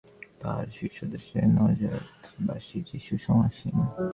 তাহার শীর্ষদেশে ন্যাজারেথবাসী যীশু সমাসীন।